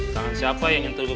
tangan siapa yang nyentuh gue